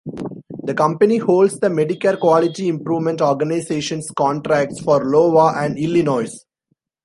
The company holds the Medicare Quality Improvement Organizations contracts for Iowa and Illinois.